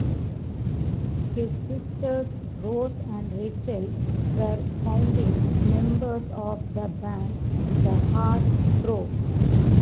His sisters Rose and Rachel were founding members of the band The Heart Throbs.